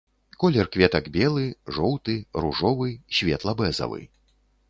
Колер кветак белы, жоўты, ружовы, светла-бэзавы.